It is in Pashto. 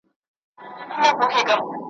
لاس مي شل ستونی مي وچ دی له ناکامه ګیله من یم `